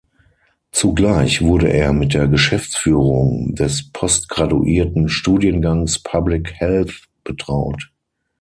Zugleich wurde er mit der Geschäftsführung des Postgraduierten-Studiengangs Public Health betraut.